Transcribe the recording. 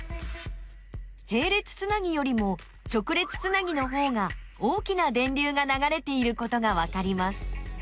へい列つなぎよりも直列つなぎのほうが大きな電流がながれていることがわかります。